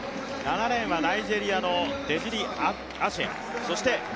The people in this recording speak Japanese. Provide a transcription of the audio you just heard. ７レーンはナイジェリアのデジリア・シェ。